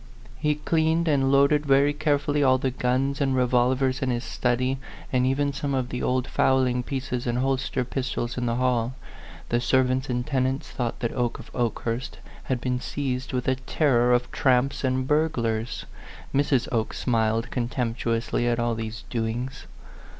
He cleaned and loaded very carefully all the guns and re volvers in his study, and even some of the old fowling pieces and holster pistols in the hall. The servants and tenants thought that Oke of Okehurst had been seized with a terror of tramps and burglars. Mrs. 8 114 A PHANTOM LOVER. Oke smiled contemptuously at all these doings.